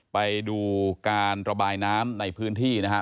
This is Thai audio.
ไปดูการระบายน้ำในพื้นที่นะครับ